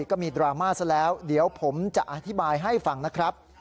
ก็มีดราม่าซะแล้วเดี๋ยวผมจะอธิบายให้ฟังนะครับ